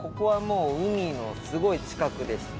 海海海のすごい近くでして。